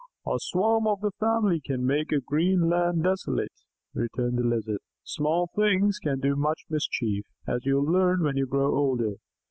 "A swarm of his family can make a green land desolate," returned the Lizard. "Small things can do much mischief, as you will learn when you grow older.